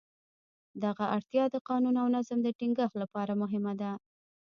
دغه اړتیا د قانون او نظم د ټینګښت لپاره مهمه ده.